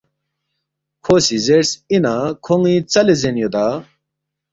“ کھو سی زیرس، ” اِنا کھون٘ی ژَلے زین یودا؟“